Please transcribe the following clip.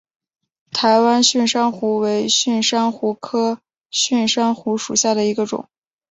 台湾蕈珊瑚为蕈珊瑚科蕈珊瑚属下的一个种。